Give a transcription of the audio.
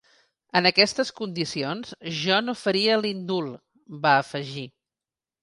“En aquestes condicions jo no faria l’indult”, va afegir.